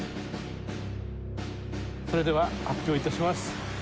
それでは発表致します。